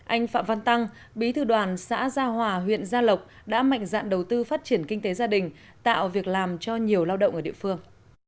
anh phạm văn tăng bí thư đoàn xã gia hòa huyện gia lộc đã mạnh dạn đầu tư phát triển kinh tế gia đình tạo việc làm cho nhiều lao động ở địa phương